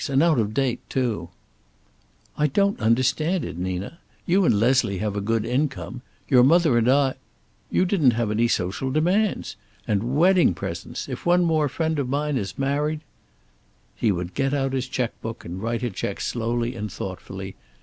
And out of date, too." "I don't understand it, Nina. You and Leslie have a good income. Your mother and I " "You didn't have any social demands. And wedding presents! If one more friend of mine is married " He would get out his checkbook and write a check slowly and thoughtfully.